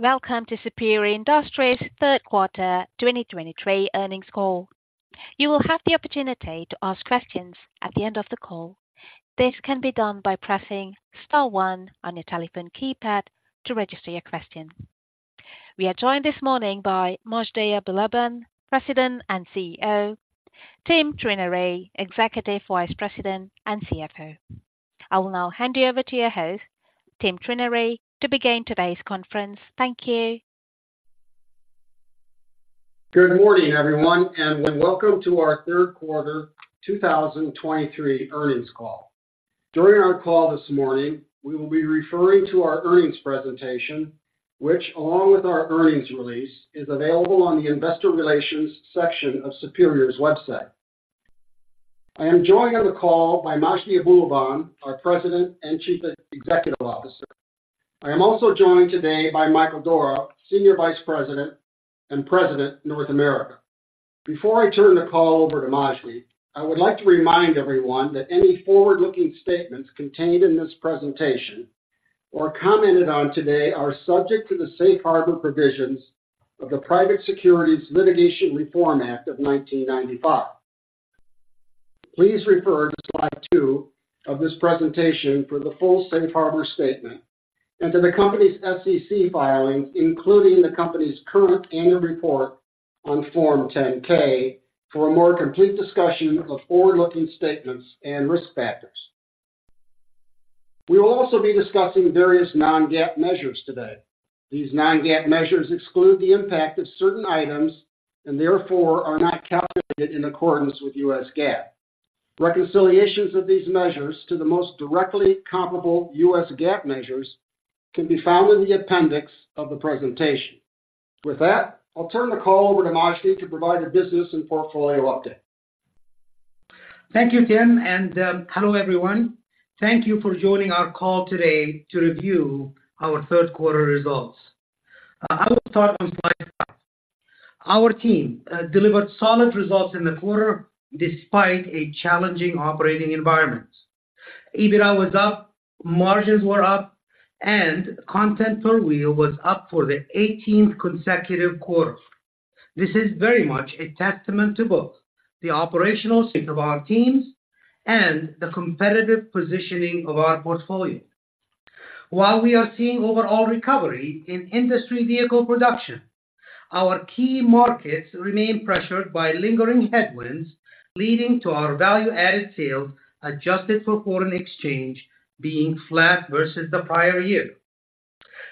Welcome to Superior Industries' third quarter 2023 earnings call. You will have the opportunity to ask questions at the end of the call. This can be done by pressing star one on your telephone keypad to register your question. We are joined this morning by Majdi Abulaban, President and CEO, Tim Trenary, Executive Vice President and CFO. I will now hand you over to your host, Tim Trenary, to begin today's conference. Thank you. Good morning, everyone, and welcome to our third quarter 2023 earnings call. During our call this morning, we will be referring to our earnings presentation, which, along with our earnings release, is available on the investor relations section of Superior's website. I am joined on the call by Majdi Abulaban, our President and Chief Executive Officer. I am also joined today by Michael Dorah, Senior Vice President and President, North America. Before I turn the call over to Majdi, I would like to remind everyone that any forward-looking statements contained in this presentation or commented on today are subject to the safe harbor provisions of the Private Securities Litigation Reform Act of 1995. Please refer to slide two of this presentation for the full safe harbor statement and to the company's SEC filings, including the company's current annual report on Form 10-K, for a more complete discussion of forward-looking statements and risk factors. We will also be discussing various non-GAAP measures today. These non-GAAP measures exclude the impact of certain items and therefore are not calculated in accordance with U.S. GAAP. Reconciliations of these measures to the most directly comparable U.S. GAAP measures can be found in the appendix of the presentation. With that, I'll turn the call over to Majdi to provide a business and portfolio update. Thank you, Tim, and hello everyone. Thank you for joining our call today to review our third quarter results. I will start on slide five. Our team delivered solid results in the quarter despite a challenging operating environment. EBITDA was up, margins were up, and content per wheel was up for the eighteenth consecutive quarter. This is very much a testament to both the operational strength of our teams and the competitive positioning of our portfolio. While we are seeing overall recovery in industry vehicle production, our key markets remain pressured by lingering headwinds, leading to our value-added sales, adjusted for foreign exchange, being flat versus the prior year.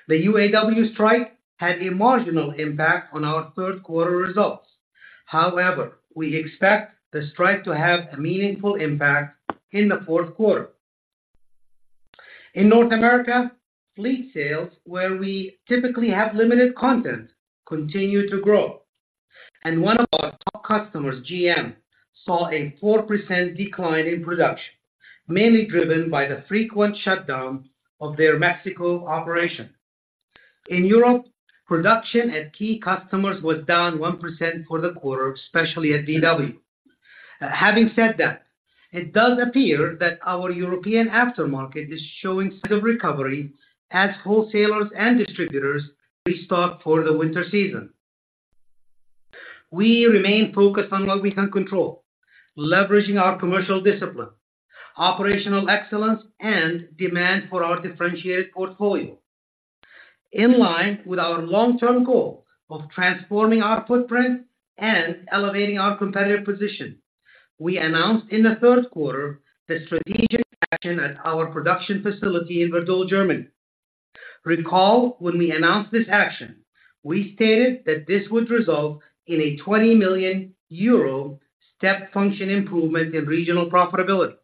The UAW strike had a marginal impact on our third quarter results. However, we expect the strike to have a meaningful impact in the fourth quarter. In North America, fleet sales, where we typically have limited content, continued to grow, and one of our top customers, GM, saw a 4% decline in production, mainly driven by the frequent shutdown of their Mexico operation. In Europe, production at key customers was down 1% for the quarter, especially at VW. Having said that, it does appear that our European aftermarket is showing signs of recovery as wholesalers and distributors restock for the winter season. We remain focused on what we can control, leveraging our commercial discipline, operational excellence, and demand for our differentiated portfolio. In line with our long-term goal of transforming our footprint and elevating our competitive position, we announced in the third quarter the strategic action at our production facility in Bad Dürkheim, Germany. Recall when we announced this action, we stated that this would result in a 20 million euro step function improvement in regional profitability.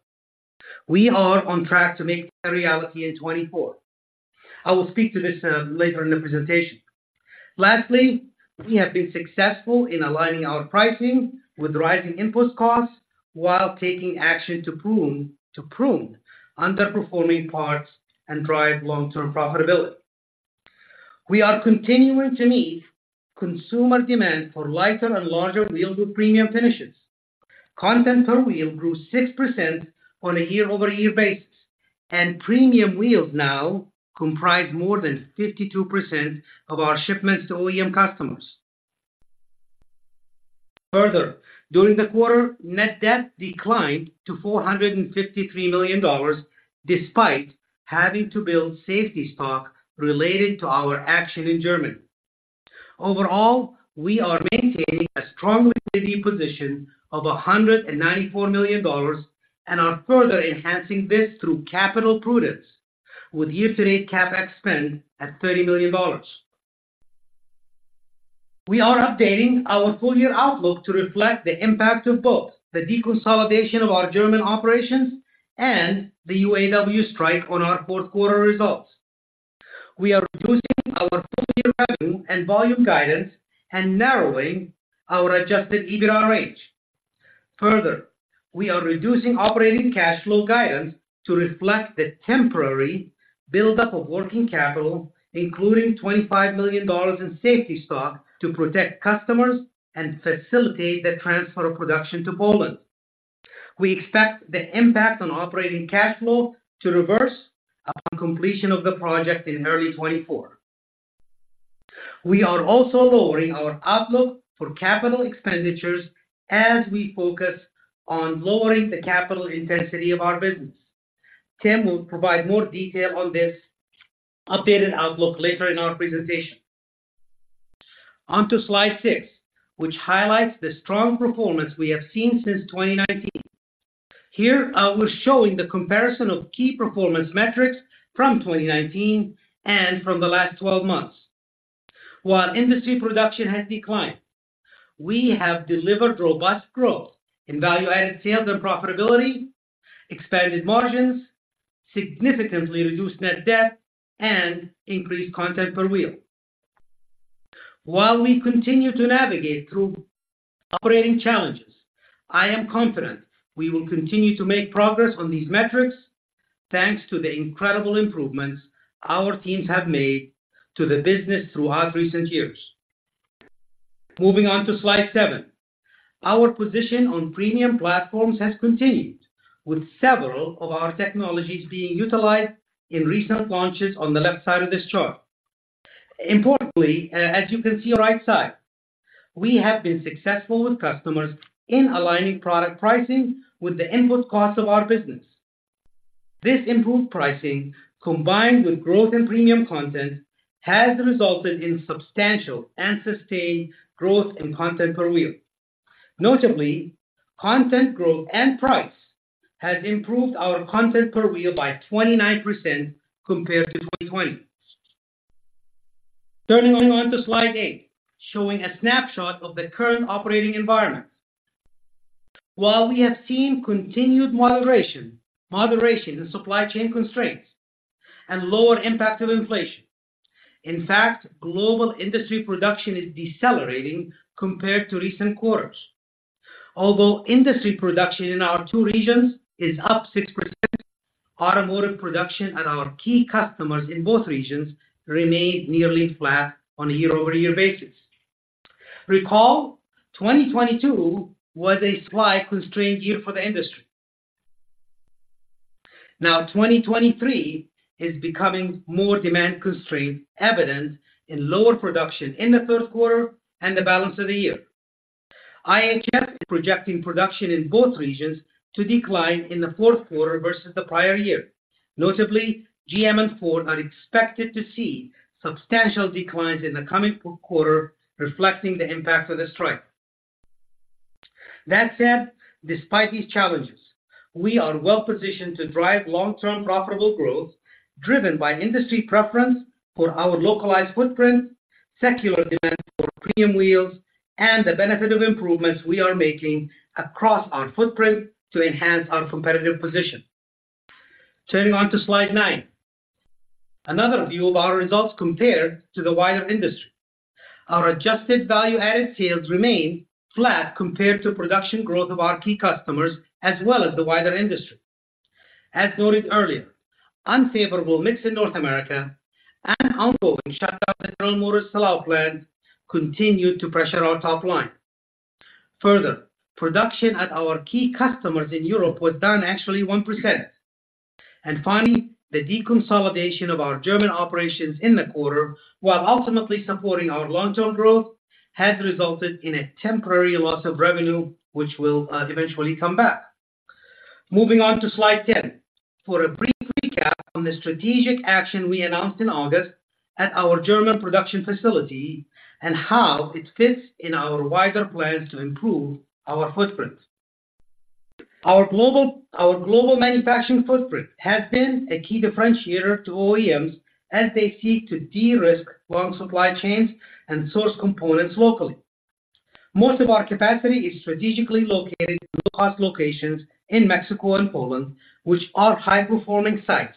We are on track to make that a reality in 2024. I will speak to this later in the presentation. Lastly, we have been successful in aligning our pricing with rising input costs while taking action to prune underperforming parts and drive long-term profitability. We are continuing to meet consumer demand for lighter and larger wheels with premium finishes. Content per wheel grew 6% on a year-over-year basis, and premium wheels now comprise more than 52% of our shipments to OEM customers. Further, during the quarter, net debt declined to $453 million, despite having to build safety stock related to our action in Germany. Overall, we are maintaining a strong liquidity position of $194 million and are further enhancing this through capital prudence, with year-to-date CapEx spend at $30 million. We are updating our full-year outlook to reflect the impact of both the deconsolidation of our German operations and the UAW strike on our fourth quarter results. We are reducing our full-year revenue and volume guidance and narrowing our Adjusted EBITDA range. Further, we are reducing operating cash flow guidance to reflect the temporary buildup of working capital, including $25 million in safety stock, to protect customers and facilitate the transfer of production to Poland.... We expect the impact on operating cash flow to reverse upon completion of the project in early 2024. We are also lowering our outlook for capital expenditures as we focus on lowering the capital intensity of our business. Tim will provide more detail on this updated outlook later in our presentation. On to slide 6, which highlights the strong performance we have seen since 2019. Here, I was showing the comparison of key performance metrics from 2019 and from the last 12 months. While industry production has declined, we have delivered robust growth in value-added sales and profitability, expanded margins, significantly reduced net debt, and increased content per wheel. While we continue to navigate through operating challenges, I am confident we will continue to make progress on these metrics, thanks to the incredible improvements our teams have made to the business throughout recent years. Moving on to slide 7. Our position on premium platforms has continued, with several of our technologies being utilized in recent launches on the left side of this chart. Importantly, as you can see on the right side, we have been successful with customers in aligning product pricing with the input costs of our business. This improved pricing, combined with growth in premium content, has resulted in substantial and sustained growth in content per wheel. Notably, content growth and price has improved our content per wheel by 29% compared to 2020. Turning to slide 8, showing a snapshot of the current operating environment. While we have seen continued moderation in supply chain constraints and lower impact of inflation, in fact, global industry production is decelerating compared to recent quarters. Although industry production in our two regions is up 6%, automotive production at our key customers in both regions remained nearly flat on a year-over-year basis. Recall, 2022 was a supply-constrained year for the industry. Now, 2023 is becoming more demand-constrained, evident in lower production in the third quarter and the balance of the year. IHS is projecting production in both regions to decline in the fourth quarter versus the prior year. Notably, GM and Ford are expected to see substantial declines in the coming quarter, reflecting the impact of the strike. That said, despite these challenges, we are well positioned to drive long-term profitable growth, driven by industry preference for our localized footprint, secular demand for premium wheels, and the benefit of improvements we are making across our footprint to enhance our competitive position. Turning to slide 9. Another view of our results compared to the wider industry. Our adjusted value-added sales remain flat compared to production growth of our key customers, as well as the wider industry. As noted earlier, unfavorable mix in North America and ongoing shutdown at General Motors Silao plant continued to pressure our top line. Further, production at our key customers in Europe was down actually 1%. And finally, the deconsolidation of our German operations in the quarter, while ultimately supporting our long-term growth, has resulted in a temporary loss of revenue, which will eventually come back. Moving on to slide 10, for a brief recap on the strategic action we announced in August at our German production facility and how it fits in our wider plans to improve our footprint. Our global, manufacturing footprint has been a key differentiator to OEMs as they seek to de-risk long supply chains and source components locally. Most of our capacity is strategically located in low-cost locations in Mexico and Poland, which are high-performing sites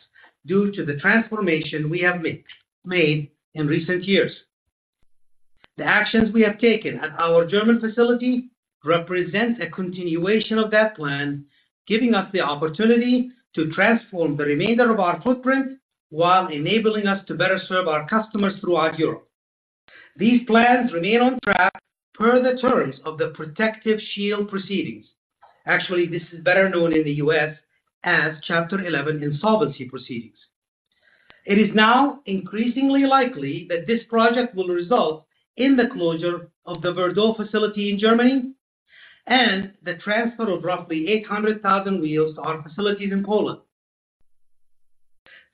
due to the transformation we have made in recent years. The actions we have taken at our German facility represent a continuation of that plan, giving us the opportunity to transform the remainder of our footprint while enabling us to better serve our customers throughout Europe. These plans remain on track per the terms of the Protective Shield Proceedings. Actually, this is better known in the US as Chapter 11 insolvency proceedings. It is now increasingly likely that this project will result in the closure of the Werdohl facility in Germany and the transfer of roughly 800,000 wheels to our facilities in Poland.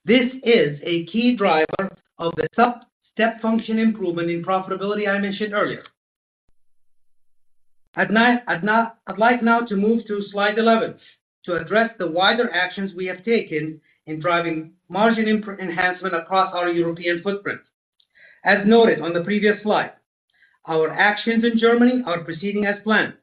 This is a key driver of the step function improvement in profitability I mentioned earlier. I'd like now to move to slide 11 to address the wider actions we have taken in driving margin enhancement across our European footprint. As noted on the previous slide, our actions in Germany are proceeding as planned.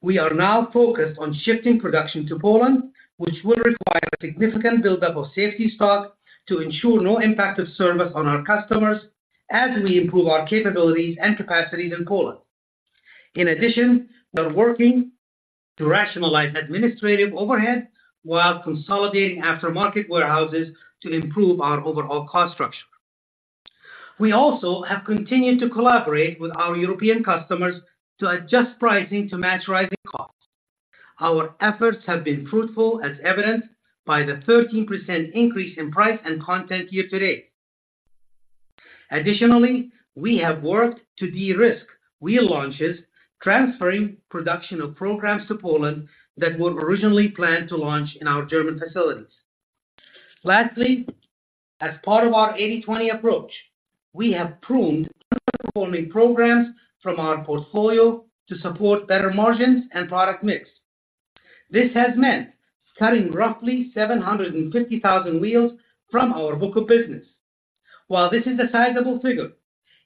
We are now focused on shifting production to Poland, which will require a significant buildup of safety stock to ensure no impact of service on our customers as we improve our capabilities and capacities in Poland. In addition, we are working to rationalize administrative overhead while consolidating aftermarket warehouses to improve our overall cost structure. We also have continued to collaborate with our European customers to adjust pricing to match rising costs. Our efforts have been fruitful, as evidenced by the 13% increase in price and content year to date. Additionally, we have worked to de-risk wheel launches, transferring production of programs to Poland that were originally planned to launch in our German facilities. Lastly, as part of our 80/20 approach, we have pruned underperforming programs from our portfolio to support better margins and product mix. This has meant cutting roughly 750,000 wheels from our book of business. While this is a sizable figure,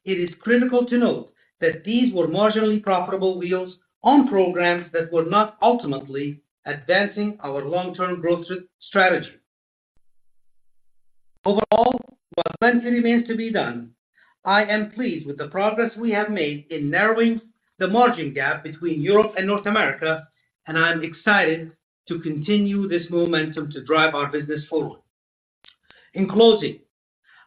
it is critical to note that these were marginally profitable wheels on programs that were not ultimately advancing our long-term growth strategy. Overall, while plenty remains to be done, I am pleased with the progress we have made in narrowing the margin gap between Europe and North America, and I'm excited to continue this momentum to drive our business forward. In closing,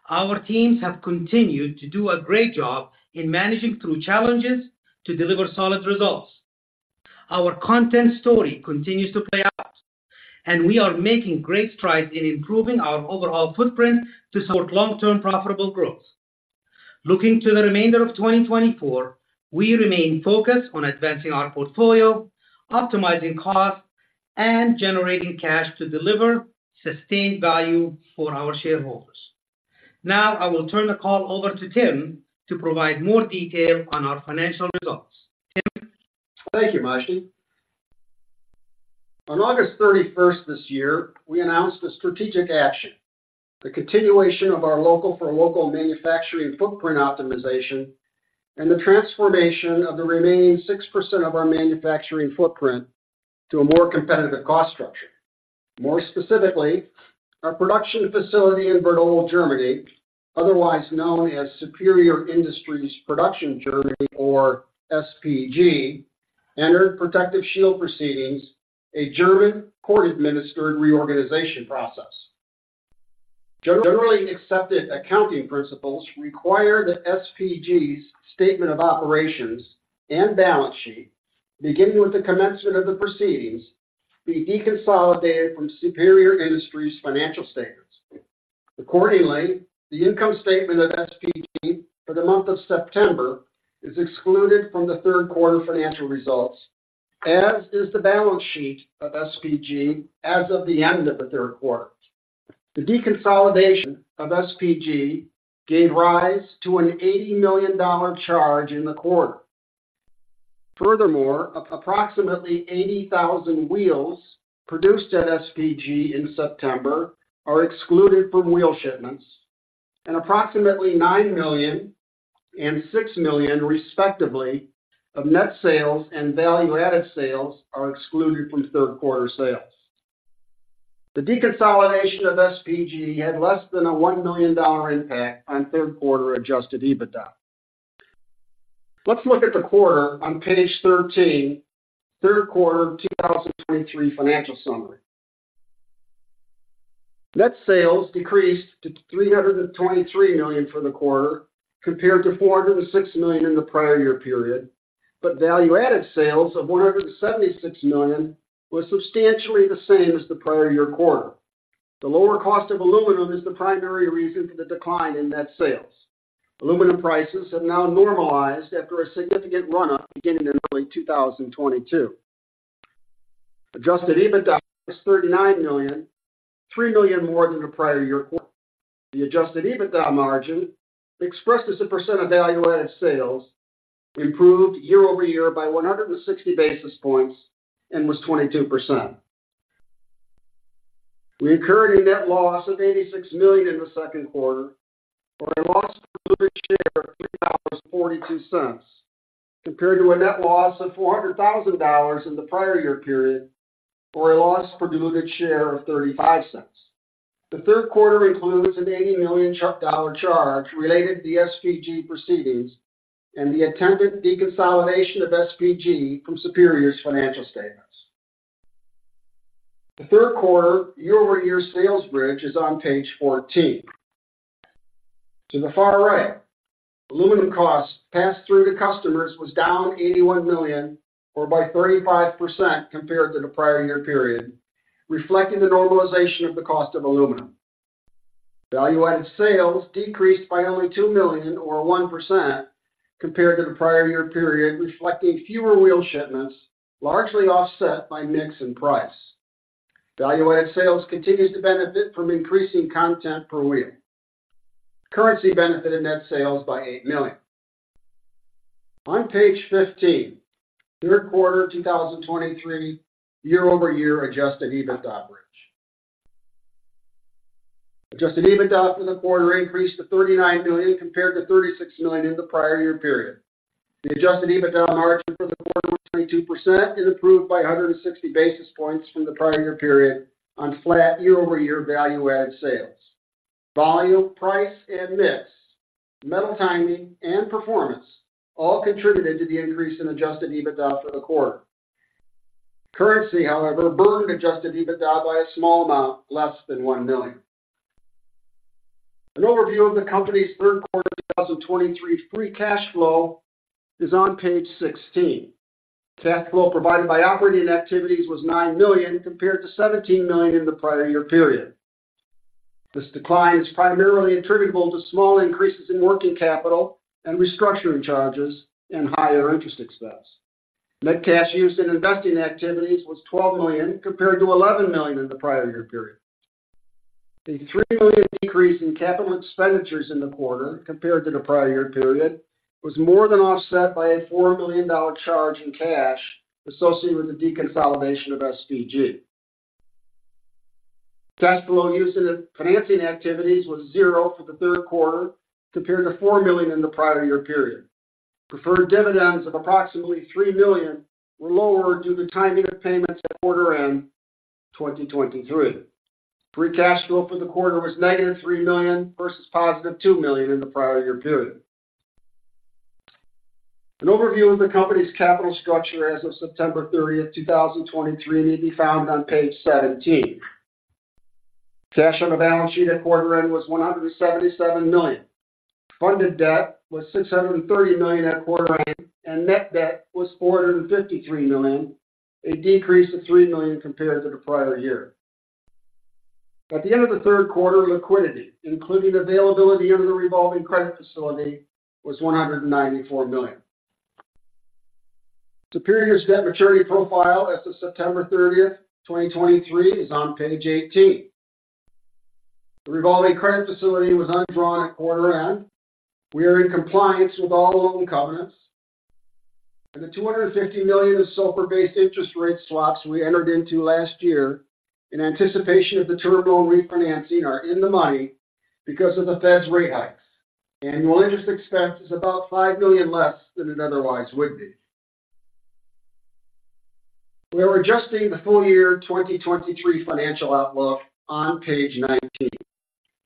our teams have continued to do a great job in managing through challenges to deliver solid results. Our content story continues to play out, and we are making great strides in improving our overall footprint to support long-term profitable growth. Looking to the remainder of 2024, we remain focused on advancing our portfolio, optimizing costs, and generating cash to deliver sustained value for our shareholders. Now, I will turn the call over to Tim to provide more detail on our financial results. Tim? Thank you, Majdi. On August 31st this year, we announced a strategic action, the continuation of our local for local manufacturing footprint optimization, and the transformation of the remaining 6% of our manufacturing footprint to a more competitive cost structure. More specifically, our production facility in Werdohl, Germany, otherwise known as Superior Industries Production Germany, or SPG, entered Protective Shield Proceedings, a German court-administered reorganization process. Generally accepted accounting principles require that SPG's statement of operations and balance sheet, beginning with the commencement of the proceedings, be deconsolidated from Superior Industries financial statements. Accordingly, the income statement of SPG for the month of September is excluded from the third quarter financial results, as is the balance sheet of SPG as of the end of the third quarter. The deconsolidation of SPG gave rise to an $80 million charge in the quarter. Furthermore, approximately 80,000 wheels produced at SPG in September are excluded from wheel shipments, and approximately $9 million and $6 million, respectively, of net sales and value-added sales, are excluded from third quarter sales. The deconsolidation of SPG had less than a $1 million impact on third quarter adjusted EBITDA. Let's look at the quarter on page 13, third quarter 2023 financial summary. Net sales decreased to $323 million for the quarter, compared to $406 million in the prior year period, but value-added sales of $176 million were substantially the same as the prior year quarter. The lower cost of aluminum is the primary reason for the decline in net sales. Aluminum prices have now normalized after a significant run-up beginning in early 2022. Adjusted EBITDA is $39 million, $3 million more than the prior year quarter. The adjusted EBITDA margin, expressed as a percent of value-added sales, improved year-over-year by 160 basis points and was 22%. We incurred a net loss of $86 million in the second quarter, or a loss per share of $3.42, compared to a net loss of $400,000 in the prior year period, or a loss per diluted share of $0.35. The third quarter includes an $80 million charge related to the SPG proceedings and the attendant deconsolidation of SPG from Superior's financial statements. The third quarter year-over-year sales bridge is on page 14. To the far right, aluminum costs passed through to customers was down $81 million, or by 35% compared to the prior year period, reflecting the normalization of the cost of aluminum. Value-added sales decreased by only $2 million, or 1%, compared to the prior year period, reflecting fewer wheel shipments, largely offset by mix and price. Value-added sales continues to benefit from increasing content per wheel. Currency benefited net sales by $8 million. On page 15, third quarter 2023 year-over-year adjusted EBITDA bridge. Adjusted EBITDA for the quarter increased to $39 million, compared to $36 million in the prior year period. The adjusted EBITDA margin for the quarter was 22% and improved by 160 basis points from the prior year period on flat year-over-year value-added sales. Volume, price, and mix, metal timing and performance all contributed to the increase in Adjusted EBITDA for the quarter. Currency, however, burdened Adjusted EBITDA by a small amount, less than $1 million. An overview of the company's third quarter 2023 free cash flow is on page 16. Cash flow provided by operating activities was $9 million, compared to $17 million in the prior year period. This decline is primarily attributable to small increases in working capital and restructuring charges and higher interest expense. Net cash used in investing activities was $12 million, compared to $11 million in the prior year period. The $3 million decrease in capital expenditures in the quarter, compared to the prior year period, was more than offset by a $4 million charge in cash associated with the deconsolidation of SPG. Cash flow use in the financing activities was $0 for the third quarter, compared to $4 million in the prior year period. Preferred dividends of approximately $3 million were lower due to the timing of payments at quarter-end 2023. Free cash flow for the quarter was -$3 million versus $2 million in the prior year period. An overview of the company's capital structure as of September 30, 2023, may be found on page 17. Cash on the balance sheet at quarter-end was $177 million. Funded debt was $630 million at quarter-end, and net debt was $453 million, a decrease of $3 million compared to the prior year. At the end of the third quarter, liquidity, including availability under the revolving credit facility, was $194 million. Superior's debt maturity profile as of September 30, 2023, is on page 18. The revolving credit facility was undrawn at quarter end. We are in compliance with all loan covenants, and the $250 million in SOFR-based interest rate swaps we entered into last year in anticipation of the term loan refinancing are in the money because of the Fed's rate hikes. Annual interest expense is about $5 million less than it otherwise would be. We are adjusting the full year 2023 financial outlook on page 19.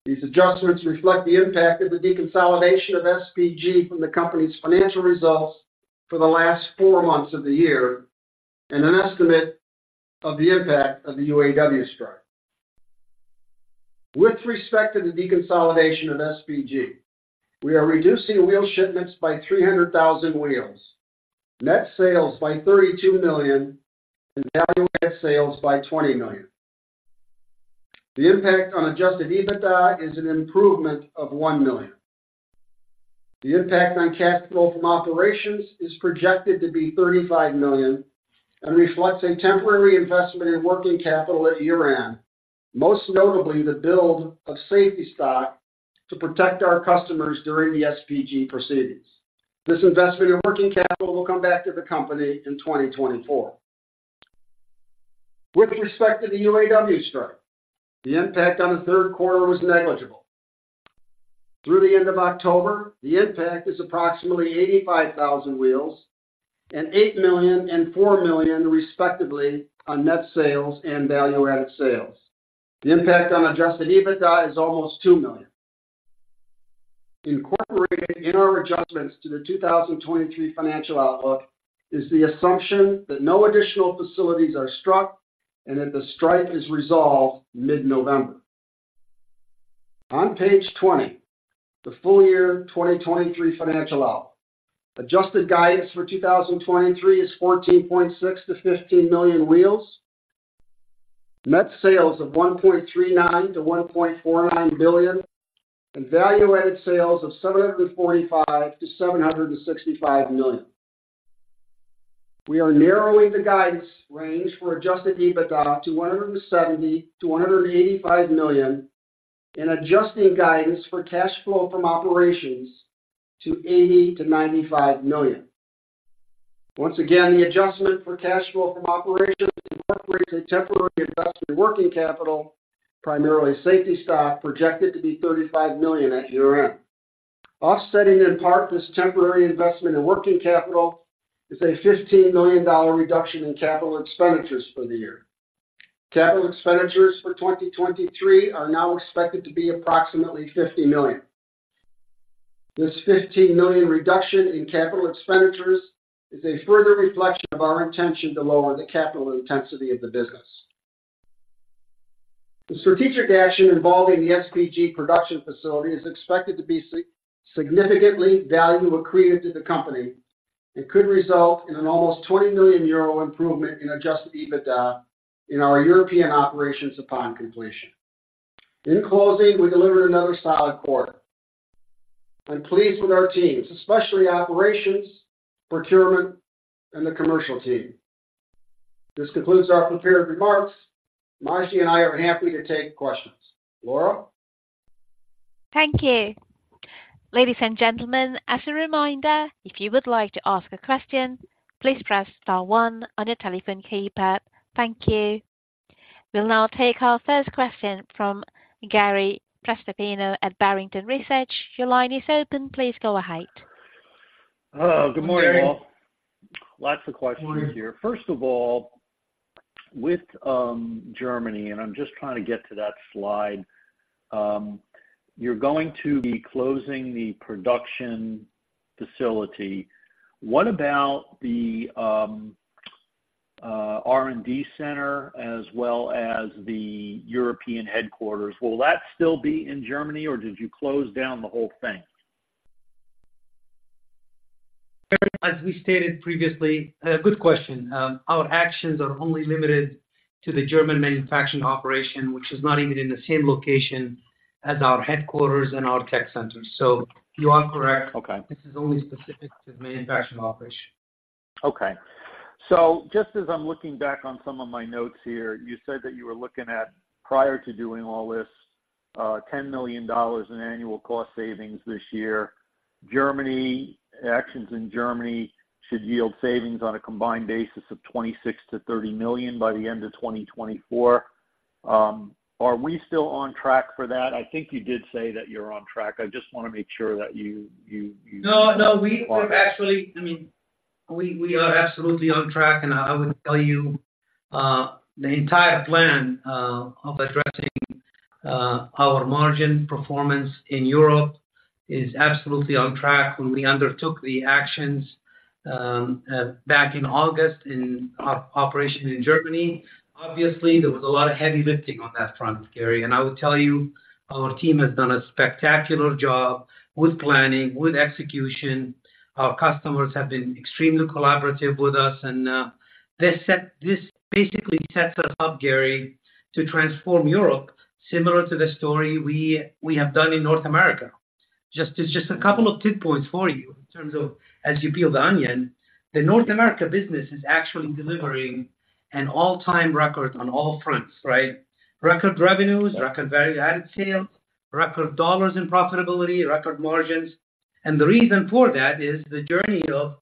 These adjustments reflect the impact of the deconsolidation of SPG from the company's financial results for the last four months of the year, and an estimate of the impact of the UAW strike. With respect to the deconsolidation of SPG, we are reducing wheel shipments by 300,000 wheels, net sales by $32 million, and value-added sales by $20 million. The impact on Adjusted EBITDA is an improvement of $1 million. The impact on cash flow from operations is projected to be $35 million and reflects a temporary investment in working capital at year-end, most notably the build of safety stock to protect our customers during the SPG proceedings. This investment in working capital will come back to the company in 2024. With respect to the UAW strike, the impact on the third quarter was negligible. Through the end of October, the impact is approximately 85,000 wheels and $8 million and $4 million, respectively, on net sales and value-added sales. The impact on Adjusted EBITDA is almost $2 million. Incorporated in our adjustments to the 2023 financial outlook is the assumption that no additional facilities are struck and that the strike is resolved mid-November. On page 20, the full year 2023 financial outlook. Adjusted guidance for 2023 is 14.6-15 million wheels, net sales of $1.39-$1.49 billion, and value-added sales of $745-$765 million. We are narrowing the guidance range for adjusted EBITDA to $170-$185 million, and adjusting guidance for cash flow from operations to $80-$95 million. Once again, the adjustment for cash flow from operations incorporates a temporary investment in working capital, primarily safety stock, projected to be $35 million at year-end. Offsetting, in part, this temporary investment in working capital is a $15 million reduction in capital expenditures for the year. Capital expenditures for 2023 are now expected to be approximately $50 million. This $15 million reduction in capital expenditures is a further reflection of our intention to lower the capital intensity of the business. The strategic action involving the SPG production facility is expected to be significantly value-creating to the company and could result in an almost 20 million euro improvement in Adjusted EBITDA in our European operations upon completion. In closing, we delivered another solid quarter. I'm pleased with our teams, especially operations, procurement, and the commercial team. This concludes our prepared remarks. Majdi and I are happy to take questions. Laura? Thank you. Ladies and gentlemen, as a reminder, if you would like to ask a question, please press star one on your telephone keypad. Thank you. We'll now take our first question from Gary Prestopino at Barrington Research. Your line is open. Please go ahead. Hello. Good morning, all. Good morning. Lots of questions here. First of all, with Germany, and I'm just trying to get to that slide. You're going to be closing the production facility. What about the R&D center as well as the European headquarters? Will that still be in Germany, or did you close down the whole thing? As we stated previously, good question. Our actions are only limited to the German manufacturing operation, which is not even in the same location as our headquarters and our tech centers. So you are correct. Okay. This is only specific to the manufacturing operation. Okay. So just as I'm looking back on some of my notes here, you said that you were looking at, prior to doing all this, $10 million in annual cost savings this year. Germany, actions in Germany should yield savings on a combined basis of $26 million-$30 million by the end of 2024. Are we still on track for that? I think you did say that you're on track. I just wanna make sure that you- No, no, we are actually, I mean, we are absolutely on track, and I would tell you, the entire plan of addressing our margin performance in Europe is absolutely on track when we undertook the actions back in August in operation in Germany. Obviously, there was a lot of heavy lifting on that front, Gary, and I would tell you, our team has done a spectacular job with planning, with execution. Our customers have been extremely collaborative with us, and this basically sets us up, Gary, to transform Europe, similar to the story we, we have done in North America. Just, just a couple of tip points for you in terms of as you peel the onion, the North America business is actually delivering an all-time record on all fronts, right? Record revenues, record value-added sales, record dollars in profitability, record margins. And the reason for that is the journey of,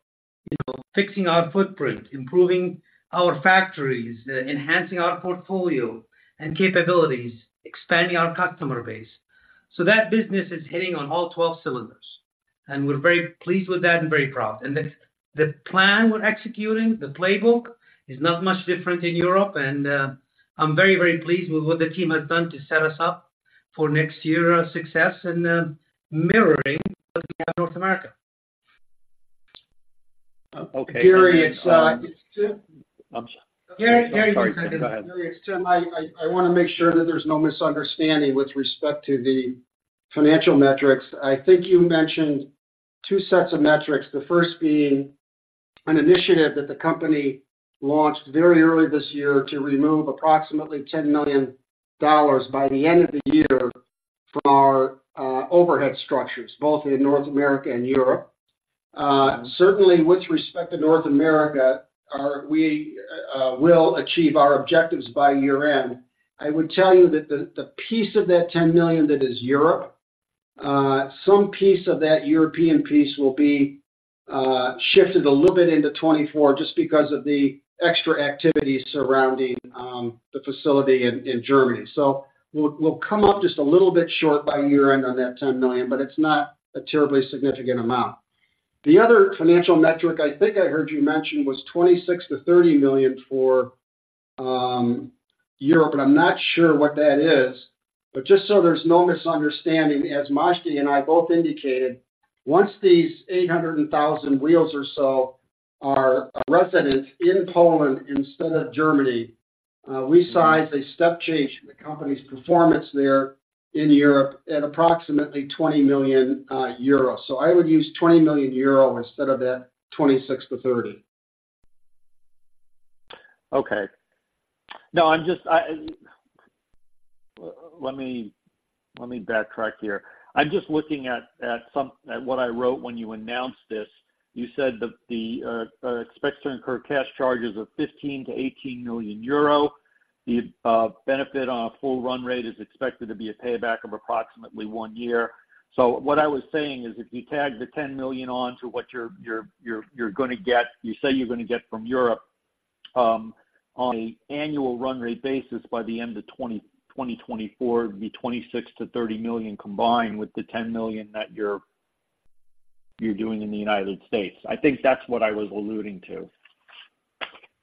you know, fixing our footprint, improving our factories, enhancing our portfolio and capabilities, expanding our customer base. So that business is hitting on all 12 cylinders, and we're very pleased with that and very proud. And the plan we're executing, the playbook, is not much different in Europe. And, I'm very, very pleased with what the team has done to set us up for next year success and mirroring North America. Okay. Gary, it's I'm sorry. Gary. I'm sorry. Go ahead. I wanna make sure that there's no misunderstanding with respect to the financial metrics. I think you mentioned two sets of metrics. The first being an initiative that the company launched very early this year to remove approximately $10 million by the end of the year from our overhead structures, both in North America and Europe. Certainly with respect to North America, we will achieve our objectives by year-end. I would tell you that the piece of that $10 million that is Europe, some piece of that European piece will be shifted a little bit into 2024 just because of the extra activity surrounding the facility in Germany. So we'll come up just a little bit short by year-end on that $10 million, but it's not a terribly significant amount. The other financial metric I think I heard you mention was 26-30 million for Europe, and I'm not sure what that is, but just so there's no misunderstanding, as Majdi and I both indicated, once these 800,000 wheels or so are resident in Poland instead of Germany, we size a step change in the company's performance there in Europe at approximately 20 million euro. So I would use 20 million euro instead of that 26-30. Okay. No, I'm just, I... let me backtrack here. I'm just looking at some of what I wrote when you announced this. You said that the expects to incur cash charges of 15 million-18 million euro. The benefit on a full run rate is expected to be a payback of approximately one year. So what I was saying is, if you tag the 10 million on to what you're gonna get, you say you're gonna get from Europe, on an annual run rate basis, by the end of 2024, it'd be 26 million-30 million, combined with the $10 million that you're doing in the United States. I think that's what I was alluding to.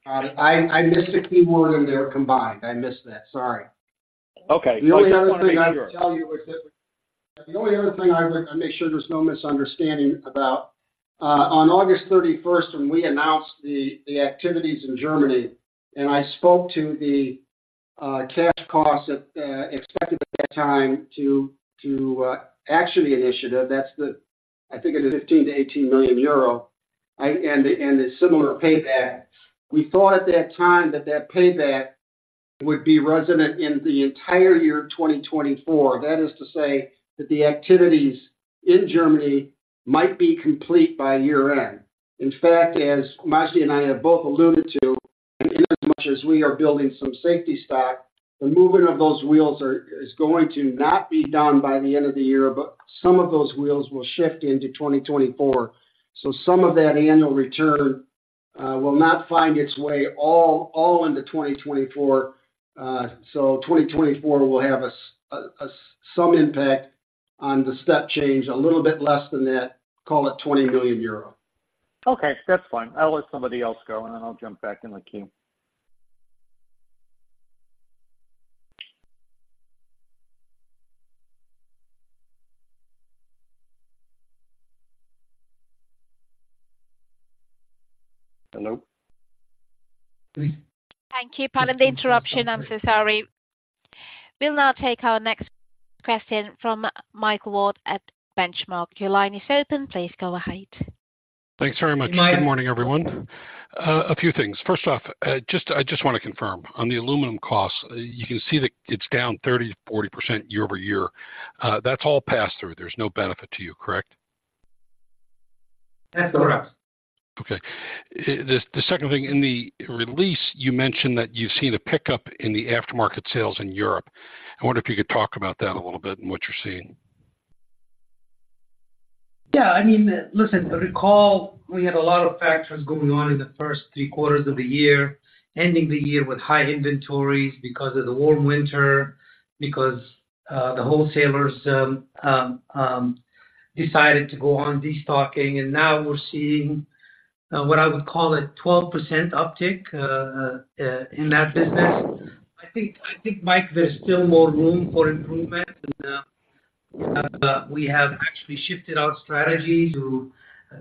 I missed the key word in there, "combined." I missed that. Sorry. Okay. The only other thing I would tell you was that. The only other thing I would make sure there's no misunderstanding about, on August 31st, when we announced the activities in Germany, and I spoke to the cash costs that expected at that time to action the initiative. That's the. I think it's a 15 million-18 million euro, and the similar payback. We thought at that time that that payback would be realize in the entire year of 2024. That is to say, that the activities in Germany might be complete by year-end. In fact, as Majdi and I have both alluded to, as much as we are building some safety stock, the movement of those wheels is going to not be done by the end of the year, but some of those wheels will shift into 2024. So some of that annual return will not find its way all into 2024. So 2024 will have some impact on the step change, a little bit less than that, call it 20 million euro. Okay, that's fine. I'll let somebody else go, and then I'll jump back in the queue. ... Hello? Three. Thank you. Pardon the interruption. I'm so sorry. We'll now take our next question from Mike Ward at Benchmark. Your line is open. Please go ahead. Thanks very much. Good morning, everyone. A few things. First off, just, I just want to confirm. On the aluminum costs, you can see that it's down 30%-40% year-over-year. That's all passed through. There's no benefit to you, correct? That's correct. Okay. The second thing, in the release, you mentioned that you've seen a pickup in the aftermarket sales in Europe. I wonder if you could talk about that a little bit and what you're seeing. Yeah, I mean, listen, recall, we had a lot of factors going on in the first three quarters of the year, ending the year with high inventories because of the warm winter, because the wholesalers decided to go on destocking, and now we're seeing what I would call a 12% uptick in that business. I think, Mike, there's still more room for improvement, and we have actually shifted our strategy to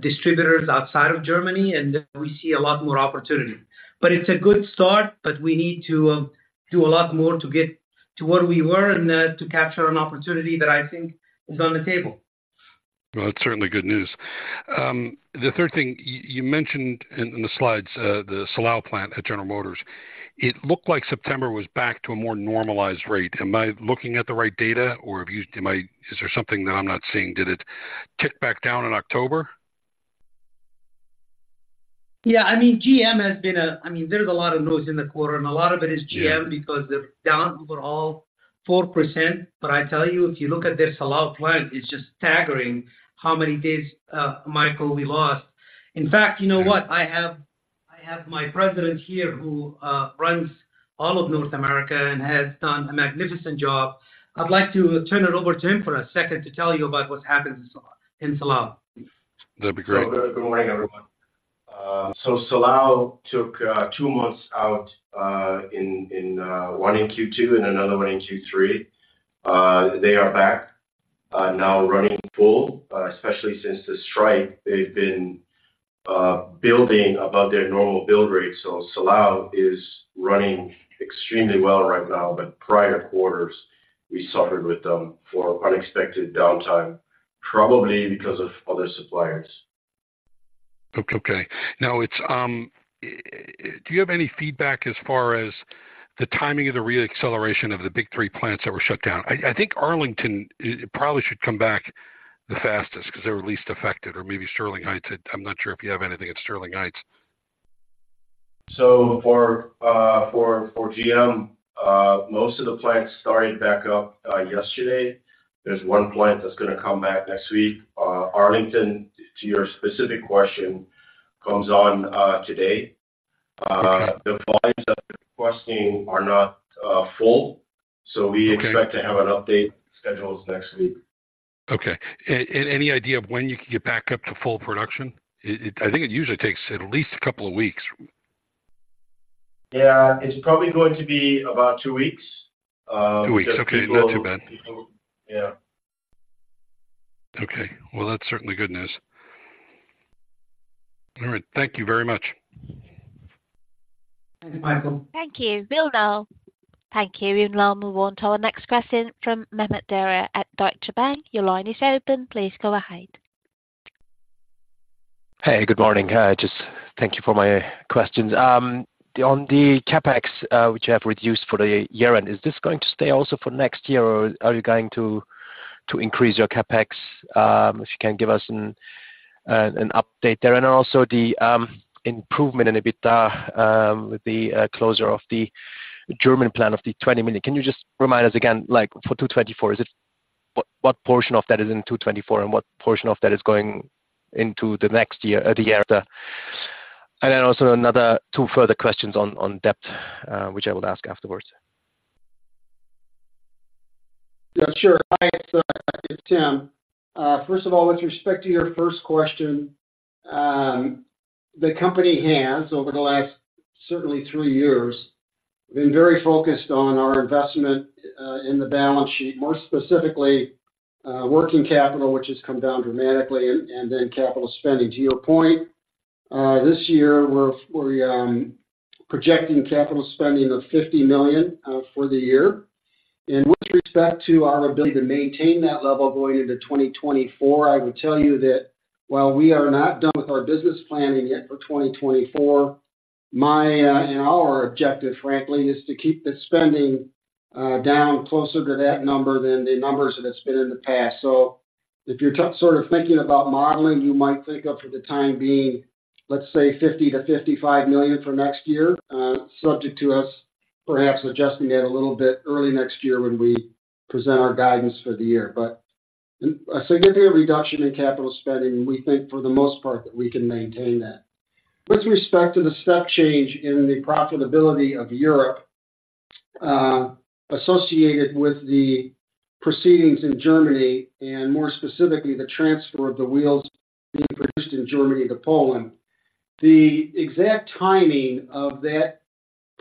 distributors outside of Germany, and we see a lot more opportunity. But it's a good start, but we need to do a lot more to get to where we were and to capture an opportunity that I think is on the table. Well, it's certainly good news. The third thing you mentioned in the slides, the Silao plant at General Motors. It looked like September was back to a more normalized rate. Am I looking at the right data, or is there something that I'm not seeing? Did it tick back down in October? Yeah, I mean, GM has been, I mean, there's a lot of noise in the quarter, and a lot of it is GM- Yeah. Because they're down overall 4%. But I tell you, if you look at their Silao plant, it's just staggering how many days, Michael, we lost. In fact, you know what? I have my president here, who runs all of North America and has done a magnificent job. I'd like to turn it over to him for a second to tell you about what happened in Silao. That'd be great. Good morning, everyone. So Silao took two months out in one in Q2 and another one in Q3. They are back now running full. Especially since the strike, they've been building above their normal build rate. So Silao is running extremely well right now, but prior quarters, we suffered with them for unexpected downtime, probably because of other suppliers. Okay. Now, it's... Do you have any feedback as far as the timing of the reacceleration of the big three plants that were shut down? I think Arlington, it probably should come back the fastest because they were least affected, or maybe Sterling Heights. I'm not sure if you have anything at Sterling Heights. So for GM, most of the plants started back up yesterday. There's one plant that's gonna come back next week. Arlington, to your specific question, comes on today. Okay. The plants that we're requesting are not full, so we- Okay. expect to have an update scheduled next week. Okay. And any idea of when you can get back up to full production? I think it usually takes at least a couple of weeks. Yeah, it's probably going to be about two weeks. Two weeks. Okay, not too bad. Yeah. Okay. Well, that's certainly good news. All right. Thank you very much. Thank you, Michael. Thank you. We'll now move on to our next question from Mehmet Derya at Deutsche Bank. Your line is open. Please go ahead. Hey, good morning. Just thank you for my questions. On the CapEx, which you have reduced for the year-end, is this going to stay also for next year, or are you going to increase your CapEx? If you can give us an update there. And then also the improvement in EBITDA with the closure of the German plant of the $20 million. Can you just remind us again, like, for 2024, is it—what portion of that is in 2024, and what portion of that is going into the next year, the year after? And then also another two further questions on debt, which I will ask afterwards. Yeah, sure. Hi, it's Tim. First of all, with respect to your first question, the company has, over the last certainly three years, been very focused on our investment in the balance sheet, more specifically, working capital, which has come down dramatically, and then capital spending. To your point, this year, we're projecting capital spending of $50 million for the year. And with respect to our ability to maintain that level going into 2024, I would tell you that while we are not done with our business planning yet for 2024, my and our objective, frankly, is to keep the spending down closer to that number than the numbers that it's been in the past. So if you're sort of thinking about modeling, you might think of for the time being, let's say, $50-$55 million for next year, subject to us, perhaps adjusting it a little bit early next year when we present our guidance for the year. But a significant reduction in capital spending, we think for the most part, that we can maintain that. With respect to the step change in the profitability of Europe, associated with the proceedings in Germany, and more specifically, the transfer of the wheels being produced in Germany to Poland, the exact timing of that- ...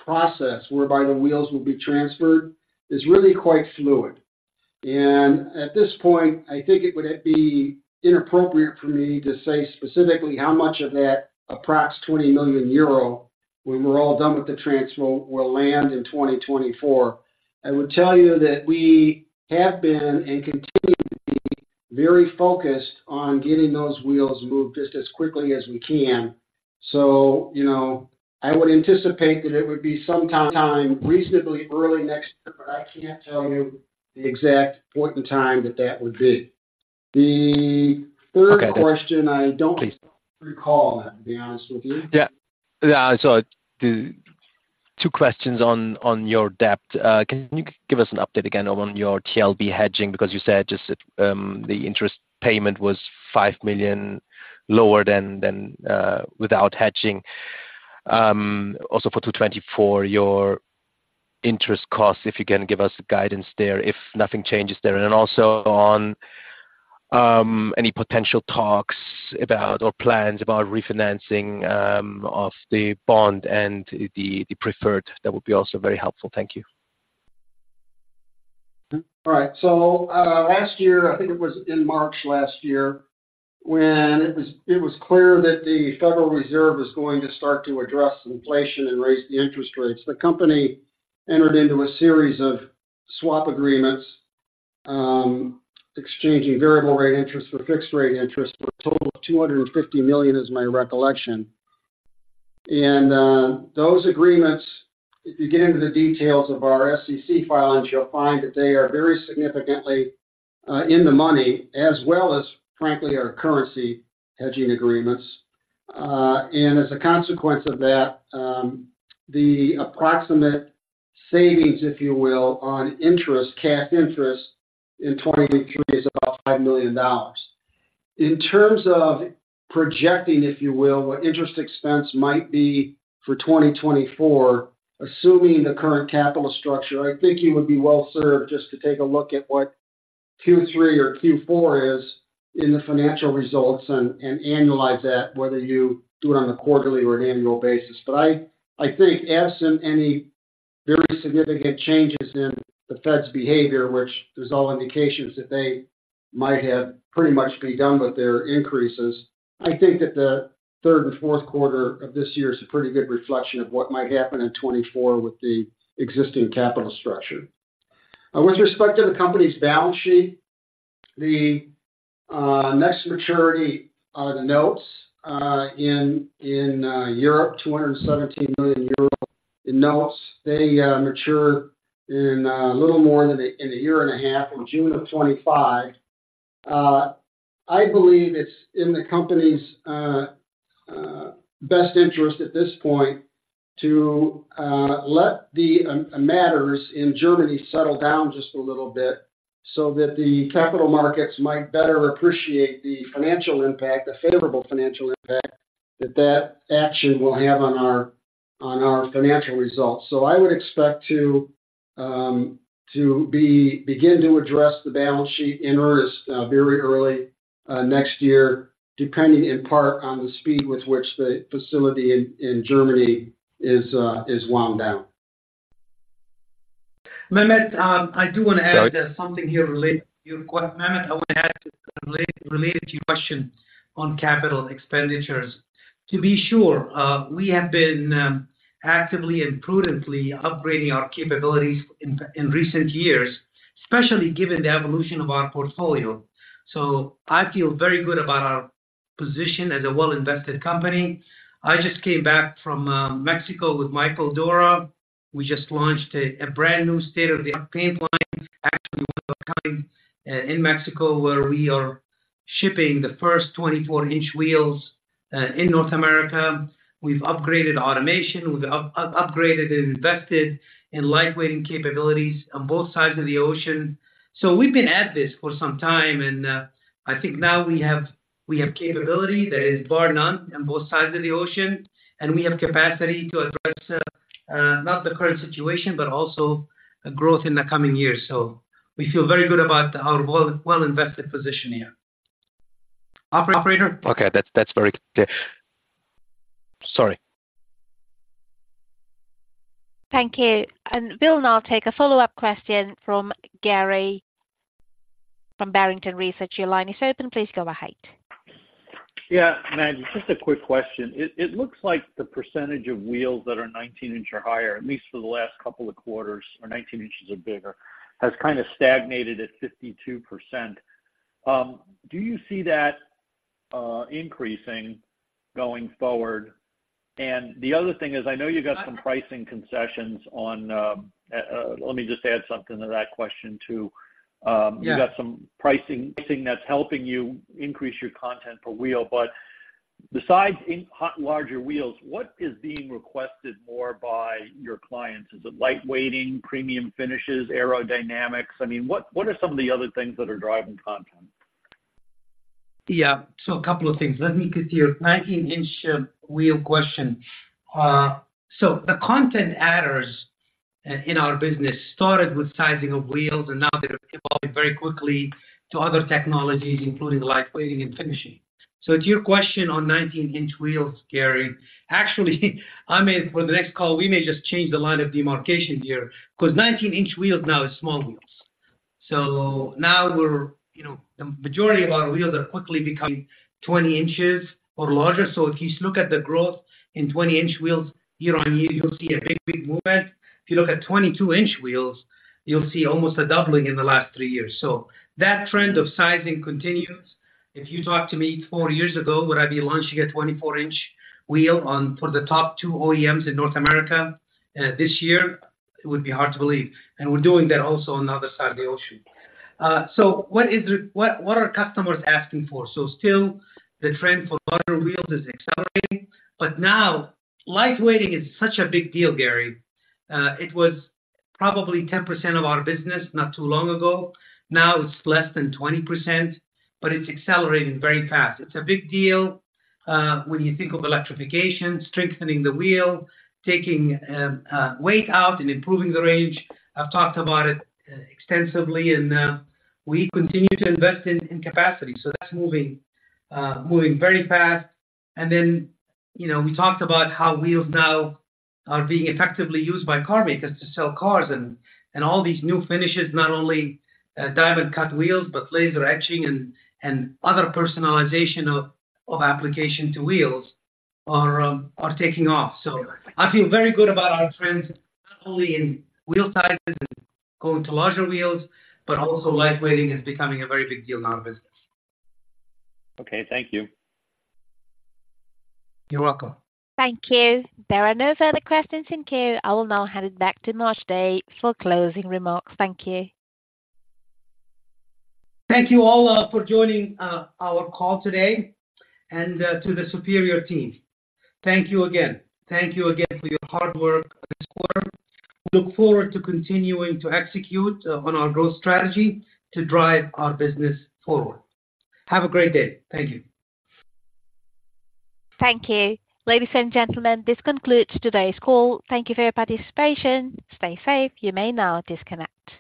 Process whereby the wheels will be transferred is really quite fluid. At this point, I think it would be inappropriate for me to say specifically how much of that approximately 20 million euro when we're all done with the transfer will land in 2024. I would tell you that we have been, and continue to be, very focused on getting those wheels moved just as quickly as we can. You know, I would anticipate that it would be some time reasonably early next year, but I can't tell you the exact point in time that that would be. The third question- Okay. I don't recall, to be honest with you. Yeah. Yeah. So the two questions on your debt. Can you give us an update again on your TLB hedging? Because you said just that, the interest payment was $5 million lower than without hedging. Also for 2024, your interest costs, if you can give us guidance there, if nothing changes there. And then also on any potential talks about or plans about refinancing of the bond and the preferred. That would be also very helpful. Thank you. All right. So, last year, I think it was in March last year, when it was clear that the Federal Reserve was going to start to address inflation and raise the interest rates. The company entered into a series of swap agreements, exchanging variable rate interest for fixed rate interest for a total of $250 million, is my recollection. And, those agreements, if you get into the details of our SEC filings, you'll find that they are very significantly in the money, as well as, frankly, our currency hedging agreements. And as a consequence of that, the approximate savings, if you will, on interest, cash interest in 2023 is about $5 million. In terms of projecting, if you will, what interest expense might be for 2024, assuming the current capital structure, I think you would be well served just to take a look at what Q3 or Q4 is in the financial results and annualize that, whether you do it on a quarterly or an annual basis. But I think absent any very significant changes in the Fed's behavior, which there's all indications that they might have pretty much be done with their increases, I think that the third and fourth quarter of this year is a pretty good reflection of what might happen in 2024 with the existing capital structure. With respect to the company's balance sheet, the next maturity, the notes in Europe, 217 million euros in notes, they mature in a little more than a year and a half, in June of 2025. I believe it's in the company's best interest at this point to let the matters in Germany settle down just a little bit so that the capital markets might better appreciate the financial impact, the favorable financial impact, that action will have on our financial results. So I would expect to begin to address the balance sheet in earnest very early next year, depending in part on the speed with which the facility in Germany is wound down. Mehmet, I do want to add something here related to your question. Mehmet, I want to add related to your question on capital expenditures. To be sure, we have been actively and prudently upgrading our capabilities in recent years, especially given the evolution of our portfolio. So I feel very good about our position as a well-invested company. I just came back from Mexico with Michael Dorah. We just launched a brand new state-of-the-art paint line, actually, in Mexico, where we are shipping the first 24-inch wheels in North America. We've upgraded automation, we've upgraded and invested in lightweighting capabilities on both sides of the ocean. So we've been at this for some time, and, I think now we have capability that is bar none on both sides of the ocean, and we have capacity to address, not the current situation, but also growth in the coming years. So we feel very good about our well, well-invested position here. Operator? Okay, that's, that's very clear. Sorry. Thank you. We'll now take a follow-up question from Gary, from Barrington Research. Your line is open. Please go ahead. Yeah, Majdi, just a quick question. It, it looks like the percentage of wheels that are 19-inch or higher, at least for the last couple of quarters, or 19 inches or bigger, has kind of stagnated at 52%. Do you see that increasing going forward? And the other thing is, I know you got some pricing concessions on, let me just add something to that question, too. Yeah. You got some pricing that's helping you increase your content per wheel, but besides in larger wheels, what is being requested more by your clients? Is it lightweighting, premium finishes, aerodynamics? I mean, what are some of the other things that are driving content? Yeah. So a couple of things. Let me get your 19-inch wheel question. So the content adders in our business started with sizing of wheels, and now they've evolved very quickly to other technologies, including lightweighting and finishing. So to your question on 19-inch wheels, Gary, actually, I may, for the next call, we may just change the line of demarcation here, 'cause 19-inch wheels now is small wheels. So now we're, you know, the majority of our wheels are quickly becoming 20 inches or larger. So if you look at the growth in 20-inch wheels year-on-year, you'll see a big, big movement. If you look at 22-inch wheels, you'll see almost a doubling in the last 3 years. So that trend of sizing continues. If you talked to me 4 years ago, would I be launching a 24-inch wheel on for the top 2 OEMs in North America this year? It would be hard to believe. And we're doing that also on the other side of the ocean. What are customers asking for? So still, the trend for larger wheels is accelerating, but now lightweighting is such a big deal, Gary. It was probably 10% of our business not too long ago. Now it's less than 20%, but it's accelerating very fast. It's a big deal when you think of electrification, strengthening the wheel, taking weight out and improving the range. I've talked about it extensively, and we continue to invest in capacity, so that's moving very fast. And then, you know, we talked about how wheels now are being effectively used by car makers to sell cars and all these new finishes, not only diamond-cut wheels, but laser etching and other personalization of application to wheels are taking off. So I feel very good about our trends, not only in wheel sizes and going to larger wheels, but also lightweighting is becoming a very big deal in our business. Okay, thank you. You're welcome. Thank you. There are no further questions in queue. I will now hand it back to Majdi Abulaban for closing remarks. Thank you. Thank you all for joining our call today. To the Superior team, thank you again. Thank you again for your hard work this quarter. Look forward to continuing to execute on our growth strategy to drive our business forward. Have a great day. Thank you. Thank you. Ladies and gentlemen, this concludes today's call. Thank you for your participation. Stay safe. You may now disconnect.